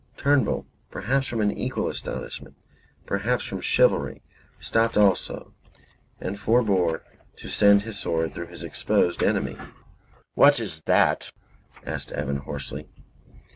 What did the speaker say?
Turnbull, perhaps from an equal astonishment, perhaps from chivalry, stopped also and forebore to send his sword through his exposed enemy. "What's that?" asked Evan, hoarsely.